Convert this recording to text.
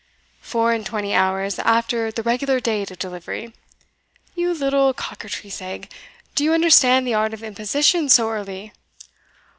"Four and twenty hours after the regular date of delivery! You little cockatrice egg, do you understand the art of imposition so early?"